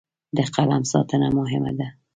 د قلم ساتنه مهمه ده.